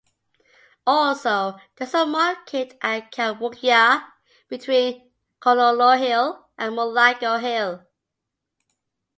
Also, there is a market at Kamwookya, between Kololo Hill and Mulago Hill.